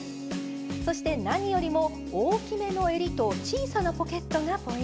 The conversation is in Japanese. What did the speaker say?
そして何よりも大きめのえりと小さなポケットがポイントです。